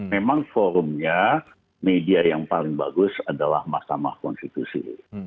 memang forumnya media yang paling bagus adalah mahkamah konstitusi